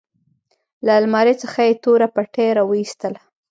له المارۍ څخه يې توره پټۍ راوايستله.